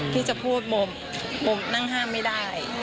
ที่จะพูดโมนั่งห้ามไม่ได้